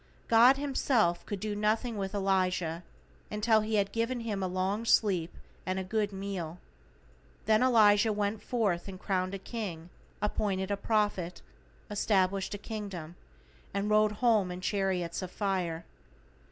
God, Himself, could do nothing with Elijah, until He had given him a long sleep and a good meal. Then Elijah went forth and crowned a King, appointed a Prophet, established a Kingdom, and rode Home in chariots of fire.